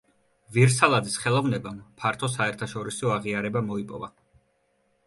ვირსალაძის ხელოვნებამ ფართო საერთაშორისო აღიარება მოიპოვა.